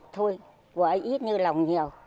thôi bà ấy ít như lòng nhiều